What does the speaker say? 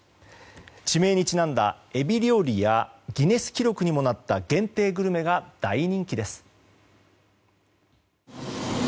地名にちなんだエビ料理やギネス記録にもなった限定グルメが大人気です。